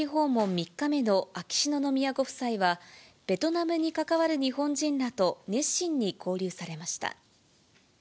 ３日目の秋篠宮ご夫妻は、ベトナムに関わる日本人らと熱心に交流されました。